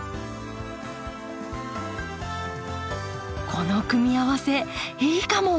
この組み合わせいいかも！